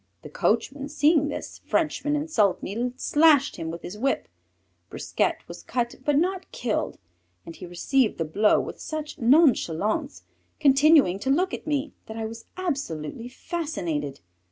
The coachman seeing this Frenchman insult me slashed him with his whip. Brisquet was cut but not killed and he received the blow with such nonchalance, continuing to look at me, that I was absolutely fascinated.